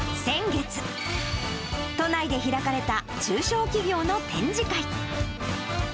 先月、都内で開かれた中小企業の展示会。